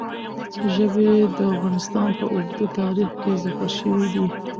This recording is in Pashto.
ژبې د افغانستان په اوږده تاریخ کې ذکر شوي دي.